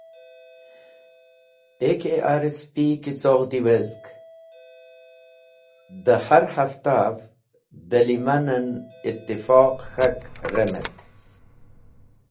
AKRSP ki coghdi wezg, dẽ har hafta’v dẽ liman en itifoq k̃hak remet.